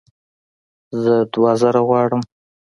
زه دوه زره غواړم